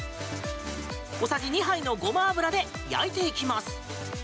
小さじ２杯のゴマ油で焼いていきます。